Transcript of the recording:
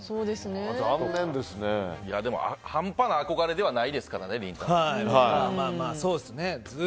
でも、半端な憧れではないですからね、りんたろー。